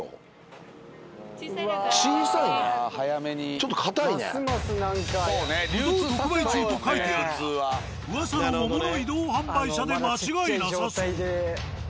ちょっと「ぶどう特売中」と書いてあるが噂の桃の移動販売車で間違いなさそう。